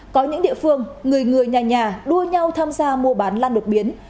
có những địa phương người người nhà nhà đua nhau tham gia mua bán lan đột biến